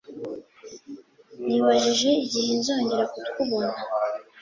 Nibajije igihe nzongera kukubona.